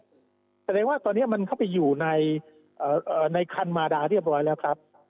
แสดงว่าตอนนี้มันเข้าไปอยู่ในคันมาดาเรียบร้อยแล้วครับ